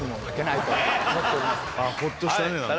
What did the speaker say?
ほっとしたね何か。